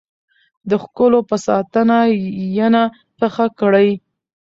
د ښکلو په ستاينه، ينه پخه کړې